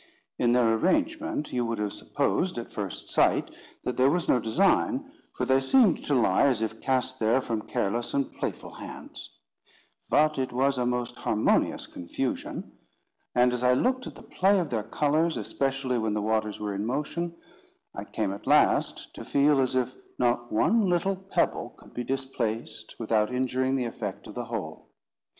In their arrangement, you would have supposed, at first sight, that there was no design, for they seemed to lie as if cast there from careless and playful hands; but it was a most harmonious confusion; and as I looked at the play of their colours, especially when the waters were in motion, I came at last to feel as if not one little pebble could be displaced, without injuring the effect of the whole.